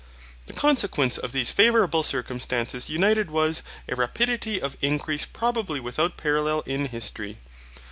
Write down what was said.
The consequence of these favourable circumstances united was a rapidity of increase probably without parallel in history.